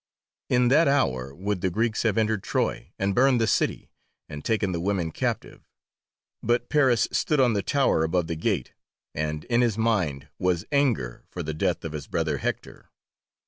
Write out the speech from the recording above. In that hour would the Greeks have entered Troy, and burned the city, and taken the women captive, but Paris stood on the tower above the gate, and in his mind was anger for the death of his brother Hector.